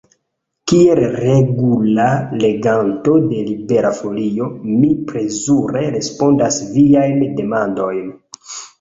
Kiel regula leganto de Libera Folio, mi plezure respondas viajn demandojn.